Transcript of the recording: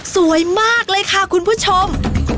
สวยมากเลยค่ะคุณผู้ชม